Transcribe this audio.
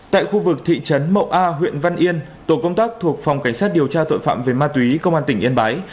tại khu vực thị trấn mậu a huyện văn yên tổ công tác thuộc phòng cảnh sát điều tra tội phạm về ma túy công an tỉnh yên bái